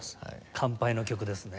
乾杯の曲ですね。